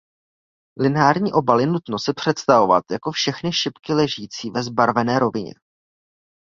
Lineární obal je nutno si představovat jako všechny šipky ležící ve zbarvené rovině.